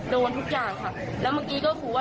โดนทุกอย่างค่ะแล้วเมื่อกี้ก็คือว่า